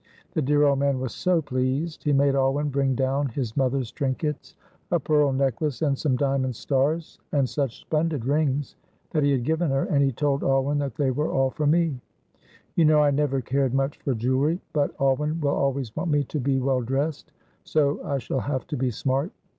The dear old man was so pleased; he made Alwyn bring down his mother's trinkets, a pearl necklace and some diamond stars, and such splendid rings that he had given her, and he told Alwyn that they were all for me; you know I never cared much for jewelry, but Alwyn will always want me to be well dressed, so I shall have to be smart.